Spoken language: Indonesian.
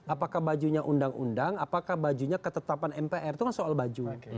apakah bajunya undang undang apakah bajunya ketetapan mpr itu kan soal baju